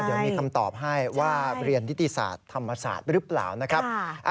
เดี๋ยวมีคำตอบให้ว่าเรียนนิติศาสตร์ธรรมศาสตร์หรือเปล่านะครับ